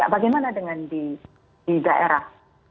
bagaimana dengan di daerah